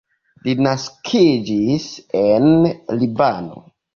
Li naskiĝis en Libano.